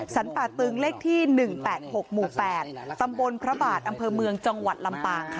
ป่าตึงเลขที่๑๘๖หมู่๘ตำบลพระบาทอำเภอเมืองจังหวัดลำปางค่ะ